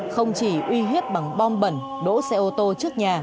không chỉ uy hiếp bằng bom bẩn đỗ xe ô tô trước nhà